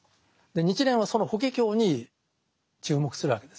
日蓮はその「法華経」に注目するわけですね。